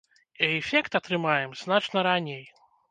І эфект атрымаем значна раней.